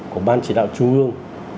của ban chỉ đạo trung ương